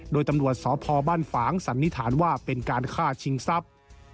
โดยตำรวจสพบ้านฝางสันนิษฐานว่าเป็นการฆ่าชิงทรัพย์